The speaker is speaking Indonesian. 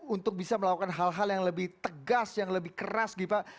untuk bisa melakukan hal hal yang lebih tegas yang lebih keras gitu pak